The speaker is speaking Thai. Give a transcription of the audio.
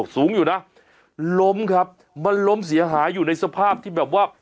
สูงอยู่นะล้มครับมันล้มเสียหายอยู่ในสภาพที่แบบว่า